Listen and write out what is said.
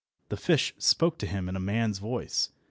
The fish spoke to him in a man's voice.